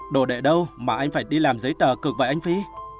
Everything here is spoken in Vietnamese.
đồ đệ đâu mà anh phải đi làm giấy tờ cực vậy anh phí